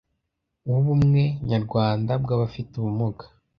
w’Ubumwe nyarwanda bw’abafite ubumuga